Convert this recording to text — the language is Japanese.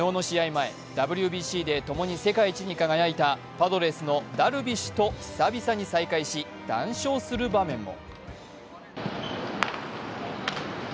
前、ＷＢＣで共に世界一に輝いたパドレスのダルビッシュと久々に再会し、談笑する場面も。